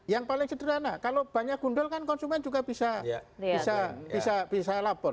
yang paling sederhana kalau banyak gundul kan konsumen juga bisa lapor